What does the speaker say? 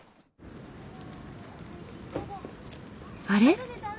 あれ？